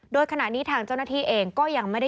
โดยขณะนี้ทางเจ้าหน้าที่เองก็ยังไม่ได้